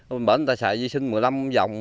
bên bệnh người ta xài di sinh một mươi năm dòng